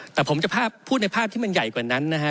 แต่ผมจะพูดในภาพที่มันใหญ่กว่านั้นนะฮะ